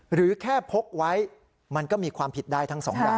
หรือแค่พกไว้มันก็มีความผิดได้ทั้งสองอย่าง